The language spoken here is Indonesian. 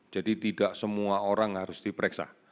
jadi tidak semua orang harus diperiksa